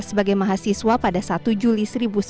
sebagai mahasiswa pada satu juli seribu sembilan ratus sembilan puluh